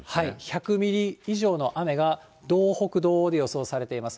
１００ミリ以上の雨が道北、道央で予測されています。